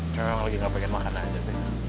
cuman lagi gak pengen makan aja be